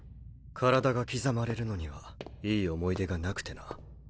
体が刻まれるのにはいい思い出がなくてな。